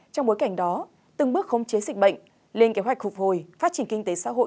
trong bối cảnh đó từng bước khống chế dịch bệnh lên kế hoạch phục hồi phát triển kinh tế xã hội